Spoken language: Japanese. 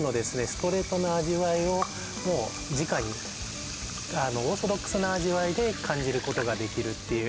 ストレートな味わいをもうじかにオーソドックスな味わいで感じることができるっていう